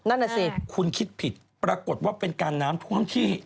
นั่นน่ะสิคุณคิดผิดปรากฏว่าเป็นการน้ำท่วมที่